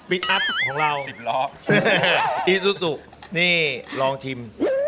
พลิกอัพของเราสิบล้อนี่ลองชิม